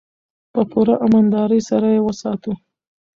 په پوره امانتدارۍ سره یې وساتو.